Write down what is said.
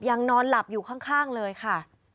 นอนหลับอยู่ข้างเลยค่ะ